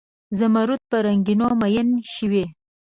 زمرود په رنګینیو میین شوي